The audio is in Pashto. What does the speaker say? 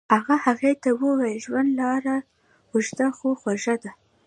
هغه هغې ته وویل ژوند لاره اوږده خو خوږه ده.